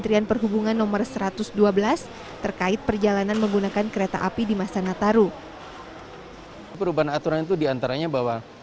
terkait perjalanan menggunakan kereta api di masa nataru perubahan aturan itu diantaranya bahwa